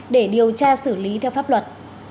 để điều tra xử lý theo pháp luật